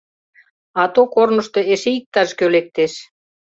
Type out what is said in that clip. Ато корнышто эше иктаж-кӧ лектеш.